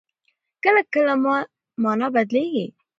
کله کله مانا بدلېږي.